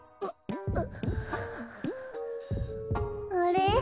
あれ？